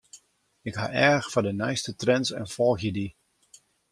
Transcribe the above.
Ik ha each foar de nijste trends en folgje dy.